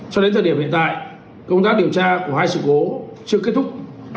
cho đến thời điểm hiện tại công tác điều tra của hai sự cố chưa kết thúc